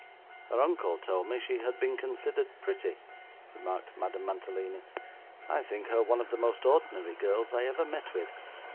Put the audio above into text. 'Her uncle told me she had been considered pretty,' remarked Madame Mantalini. 'I think her one of the most ordinary girls I ever met with.